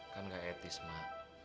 kan gak etis mak